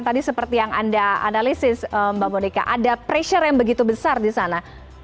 tadi seperti yang anda analisis mbak monika ada pressure yang begitu besar di sana